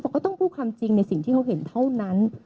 เขาต้องพูดความจริงในสิ่งที่เขาเห็นเท่านั้น